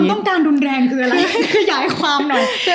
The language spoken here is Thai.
ต้องการรุนแรงคืออะไรขยายความหน่อย